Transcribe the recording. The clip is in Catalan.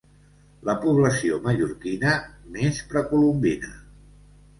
La població mallorquina més precolombina.